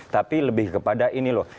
tapi lebih kepada ini loh